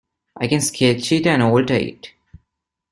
I can sketch it and alter it.